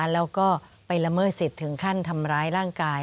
แล้วก็ไปละเมิดสิทธิ์ถึงขั้นทำร้ายร่างกาย